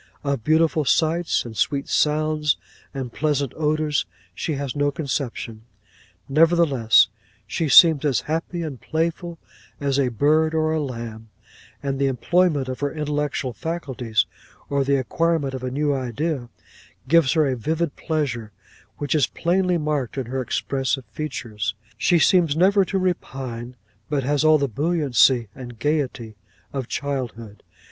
Of beautiful sights, and sweet sounds, and pleasant odours, she has no conception; nevertheless, she seems as happy and playful as a bird or a lamb; and the employment of her intellectual faculties, or the acquirement of a new idea, gives her a vivid pleasure, which is plainly marked in her expressive features. She never seems to repine, but has all the buoyancy and gaiety of childhood.